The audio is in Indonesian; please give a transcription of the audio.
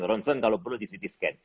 ronsen kalau perlu di ct scan